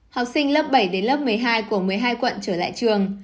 học sinh lớp bảy đến lớp một mươi hai của một mươi hai quận trở lại trường